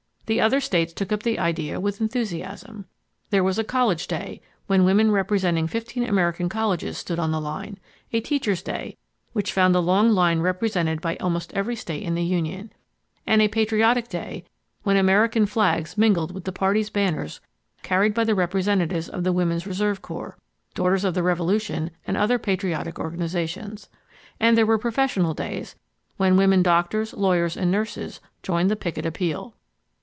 The other states took up the idea with enthusiasm. There was a College Day, when women representing 15 American colleges stood on the line; a Teachers' Day, which found the long line represented by almost every state in the Union, and a Patriotic Day, when American flags mingled with the party's banners carried by representatives of the Women's Reserve Corps, Daughters of the Revolution and other patriotic organizations. And there were professional days when women doctors, lawyers and nurses joined the picket appeal.